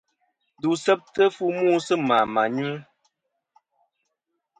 Ndu seftɨ fu mu sɨ mà mà nyu.